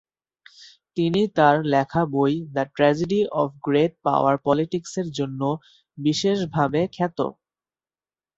তিনি তার লেখা বই "the tragedy of great power পলিটিক্স"-র জন্য বিশেষ ভাবে খ্যাত।